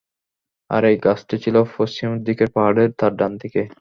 আর এই গাছটি ছিল পশ্চিমদিকের পাহাড়ে তাঁর ডানদিকে।